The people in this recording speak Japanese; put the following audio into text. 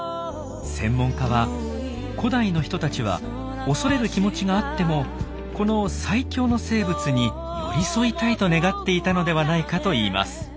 専門家は古代の人たちは恐れる気持ちがあってもこの最強の生物に寄り添いたいと願っていたのではないかといいます。